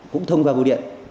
cũng thông qua bưu điện